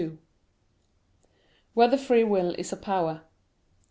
2] Whether Free Will Is a Power?